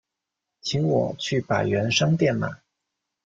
请我去百元商店买